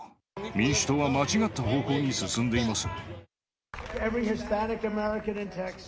民主党は間違った方向に進んでいます。